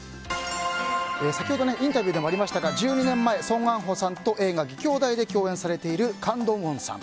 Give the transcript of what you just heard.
先ほどインタビューでもありましたが１２年前、ソン・ガンホさんと映画「義兄弟」で共演されているカン・ドンウォンさん。